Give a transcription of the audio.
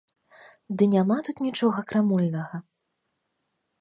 Ды няма тут нічога крамольнага!